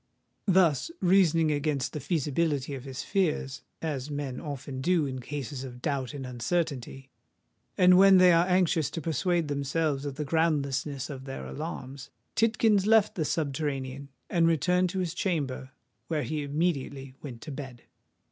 Thus reasoning against the feasibility of his fears,—as men often do in cases of doubt and uncertainty, and when they are anxious to persuade themselves of the groundlessness of their alarms,—Tidkins left the subterranean, and returned to his chamber, where he immediately went to bed.